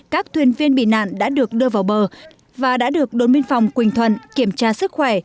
các thuyền viên bị nạn đã được đưa vào bờ và đã được đồn biên phòng quỳnh thuận kiểm tra sức khỏe